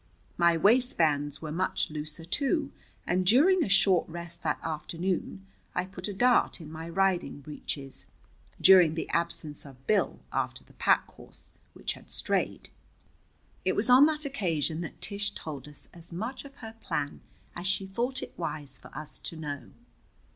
My waistbands were much looser, too, and during a short rest that afternoon I put a dart in my riding breeches, during the absence of Bill after the pack horse, which had strayed. It was on that occasion that Tish told us as much of her plan as she thought it wise for us to know.